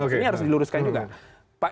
maksudnya harus diluruskan juga